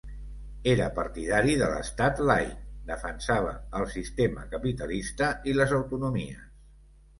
Era partidari de l'Estat laic, defensava el sistema capitalista i les autonomies.